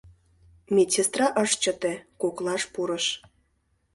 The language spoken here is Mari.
Медсестра ыш чыте, коклаш пурыш.